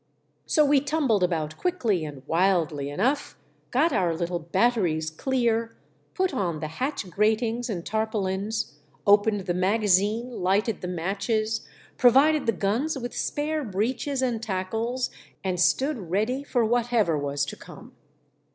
So we tumbled about quickly and wildly enough, got our little batteries clear, put on the hatch gratings and tarpaulins, opened the magazine, lighted the matches, provided the guns with spare breeches and tackles, and stood ready for whatever was to come.